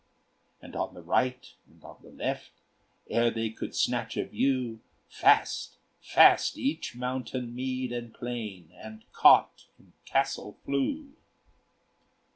And on the right, and on the left, Ere they could snatch a view, Fast, fast each mountain, mead, and plain, And cot and castle flew.